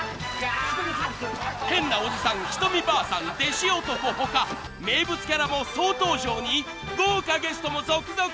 ［変なおじさんひとみばあさんデシ男他名物キャラも総登場に豪華ゲストも続々登場！］